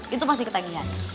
itu pasti ketagihan